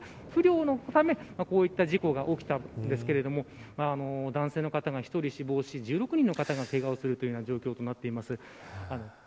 視界不良のためこういった事故が起きたんですけれども男性の方が１人死亡し１６人の方がけがをする状況となっています。